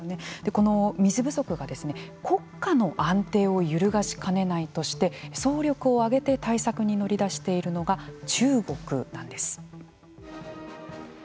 この水不足が国家の安定を揺るがしかねないとして総力を挙げて対策に乗り出しているのが中国なんです。